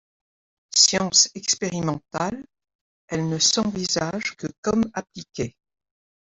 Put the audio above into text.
Science expérimentale elle ne s'envisage que comme appliquée.